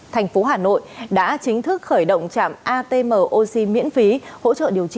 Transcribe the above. thành phố hà nội đã chính thức khởi động trạm atm oxy miễn phí hỗ trợ điều trị